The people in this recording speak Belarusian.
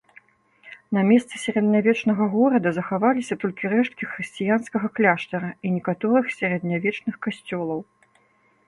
На месцы сярэднявечнага горада захаваліся толькі рэшткі хрысціянскага кляштара і некаторых сярэднявечных касцёлаў.